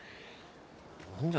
何じゃ？